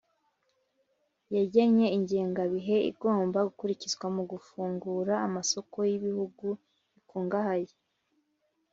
yagennye ingengabihe igomba gukurikizwa mu gufungura amasoko y'ibihugu bikungahaye.